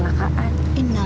udah kutip lain lain